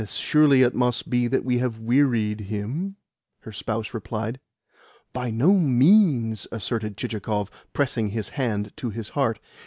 Surely it must be that we have wearied him?" her spouse replied. "By no means," asserted Chichikov, pressing his hand to his heart.